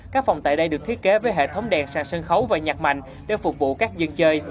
các phòng tại đây được thiết kế với hệ thống đèn sàn sân khấu và nhạc mạnh để phục vụ các dân chơi